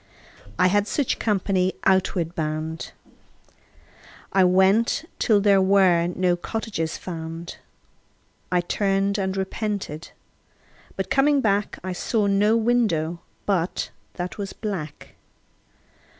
I had such company outward bound. I went till there were no cottages found. I turned and repented, but coming back I saw no window but that was black.